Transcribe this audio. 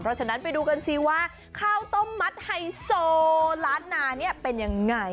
เพราะฉะนั้นไปดูกันสิว่าข้าวต้มมัดไฮโซล้านนาเนี่ยเป็นยังไง